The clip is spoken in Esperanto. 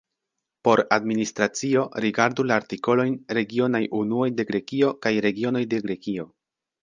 Por administracio rigardu la artikolojn Regionaj unuoj de Grekio kaj Regionoj de Grekio.